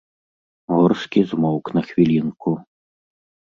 Горскі змоўк на хвілінку.